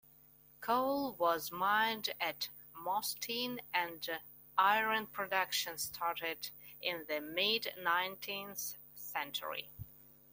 Coal was mined at Mostyn and Iron production started in the mid nineteenth century.